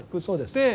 そうです。